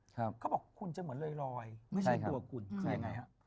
เขาบอกว่าคุณจะเหมือนลอยไม่ใช่ตัวกุ่นคืออย่างไร